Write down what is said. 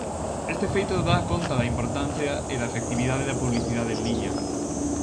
Este feito dá conta da importancia e da efectividade da publicidade en liña.